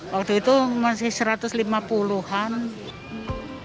waktu itu masih satu ratus lima puluh an